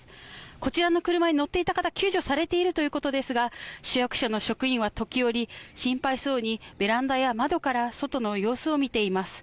こちらの車に乗っていた方救助されたということですが市役所の職員は時折心配そうにベランダや窓から外の様子を見ています。